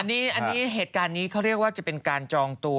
อันนี้เหตุการณ์นี้เขาเรียกว่าจะเป็นการจองตัว